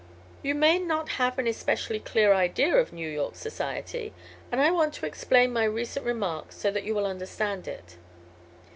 "You may not have an especially clear idea of New York society, and I want to explain my recent remark so that you will understand it.